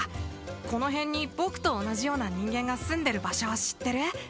この辺に僕と同じような人間が住んでる場所を知ってる？